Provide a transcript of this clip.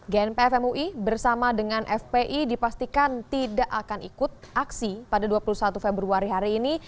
gnpf mui bersama dengan fpi dipastikan tidak akan ikut aksi pada dua puluh satu februari hari ini